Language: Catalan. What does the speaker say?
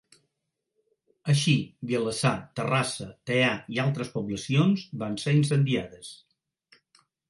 Així Vilassar, Terrassa, Teià i altres poblacions van ser incendiades.